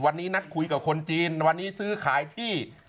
วันนี้นัดคุยกับคนจีนวันนี้ซื้อขายที่